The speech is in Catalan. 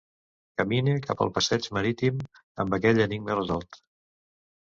Camine cap al passeig marítim amb aquell enigma resolt.